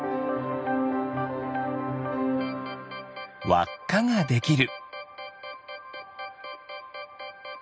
わっかができる。